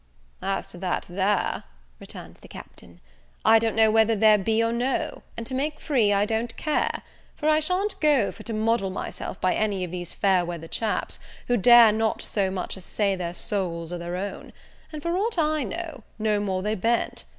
"As to that there," returned the Captain, "I don't know whether there be or no, and, to make free, I don't care; for I sha'n't go for to model myself by any of these fair weather chaps, who dare not so much as say their souls are their own, and, for aught I know, no more they ben't.